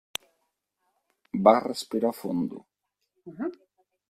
Va respirar fondo.